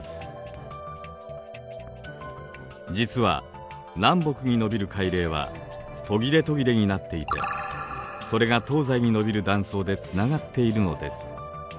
実は南北に延びる海嶺は途切れ途切れになっていてそれが東西に延びる断層でつながっているのです。